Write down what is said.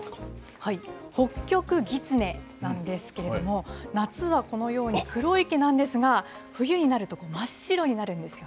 ホッキョクギツネなんですけれども、夏はこのように黒い毛なんですが、冬になると真っ白になるんですね。